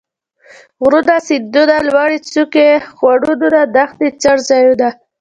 غرونه ،سيندونه ،لوړې څوکي ،خوړونه ،دښتې ،څړ ځايونه